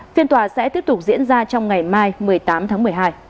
phiên tòa sẽ tiếp tục diễn ra trong ngày mai một mươi tám tháng một mươi hai